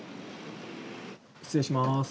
失礼します。